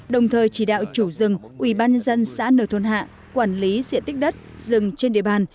đồng thời chỉ đạo chủ rừng ubnd xã nờ thôn hạ quản lý diện tích đất rừng trên địa bàn